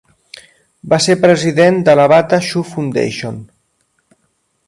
Va ser president de la Bata Shoe Foundation.